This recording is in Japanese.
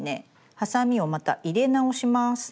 ハサミをまた入れ直します。